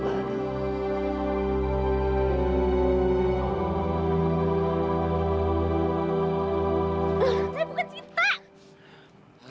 kamu itu adalah andre